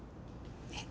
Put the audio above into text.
えっ。